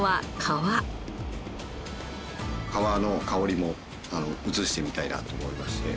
皮の香りも移してみたいなと思いまして。